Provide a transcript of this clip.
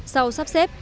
sau sắp xếp